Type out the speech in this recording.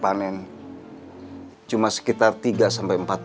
waktunya dari mulai tanam sampai panen